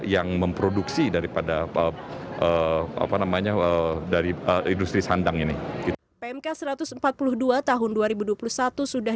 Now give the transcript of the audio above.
yang memproduksi daripada apa namanya dari industri sandang ini pmk satu ratus empat puluh dua tahun dua ribu dua puluh satu sudah